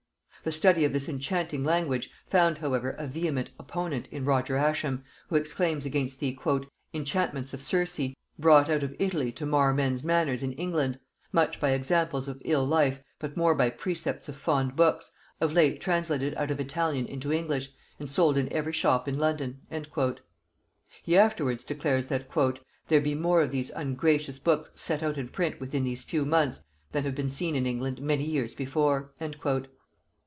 The study of this enchanting language found however a vehement opponent in Roger Ascham, who exclaims against the "enchantments of Circe, brought out of Italy to mar men's manners in England; much by examples of ill life, but more by precepts of fond books, of late translated out of Italian into English, and sold in every shop in London." He afterwards declares that "there be more of these ungracious books set out in print within these few months than have been seen in England many years before."